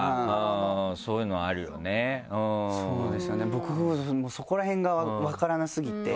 僕そこら辺が分からなすぎて。